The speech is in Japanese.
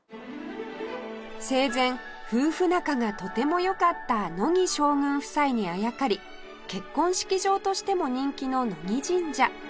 生前夫婦仲がとても良かった乃木将軍夫妻にあやかり結婚式場としても人気の乃木神社